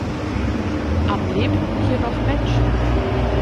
Am lebten hier noch Menschen.